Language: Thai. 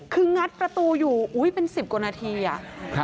คืองัดประตูอยู่เป็น๑๐กว่านาทีอ่ะ